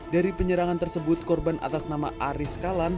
dari penyerangan tersebut korban atas nama aris kalan